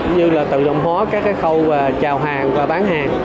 như là tự động hóa các cái khâu trào hàng và bán hàng